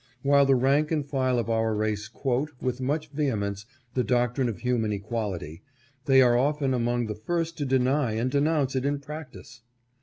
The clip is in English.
While the rank and file of our race quote, with much vehemence, the doctrine of human equality, they are often among the first to deny and denounce it in practice.